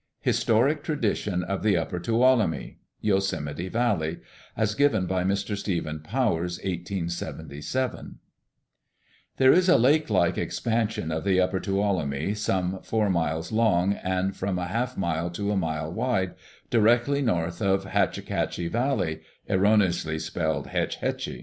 Historic Tradition of the Upper Tuolumne Yosemite Valley (As given by Mr. Stephen Powers, 1877.)(4) There is a lake like expansion of the Upper Tuolumne some four miles long and from a half mile to a mile wide, directly north of Hatchatchie Valley (erroneously spelled Hetch Hetchy).